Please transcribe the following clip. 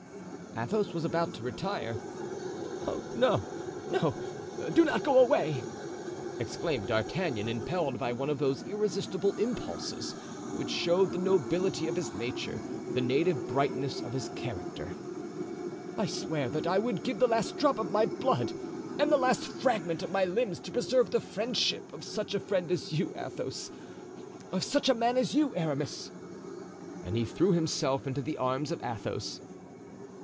Athos was about to retire. "Oh! no! no! do not go away!" exclaimed D'Artagnan, impelled by one of those irresistible impulses which showed the nobility of his nature, the native brightness of his character; "I swear that I would give the last drop of my blood and the last fragment of my limbs to preserve the friendship of such a friend as you, Athos—of such a man as you, Aramis." And he threw himself into the arms of Athos.